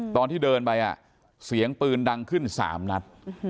ตอนที่เดินไปเสียงปืนดังขึ้น๓นัด